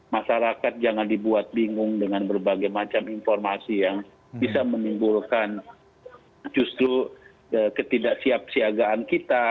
masyarakat jangan dibuat bingung dengan berbagai macam informasi yang bisa menimbulkan justru ketidaksiapsiagaan kita